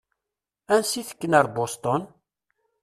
Ansa i ttekken ar Boston?